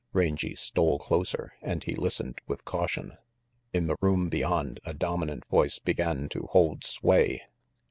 Rangy stole closer and he listened with caution. In the room beyond a dominant voice began to hold sway.